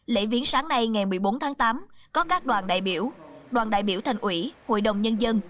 lễ viếng sáng nay ngày một mươi bốn tháng tám có các đoàn đại biểu đoàn đại biểu thành ủy hội đồng nhân dân